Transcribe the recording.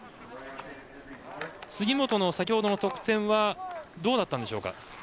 杉本の先ほどの得点はどうだったんでしょうか。